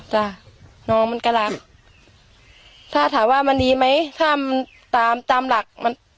จ้ะน้องมันกำลังถ้าถามว่ามันดีไหมถ้ามันตามตามหลักมัน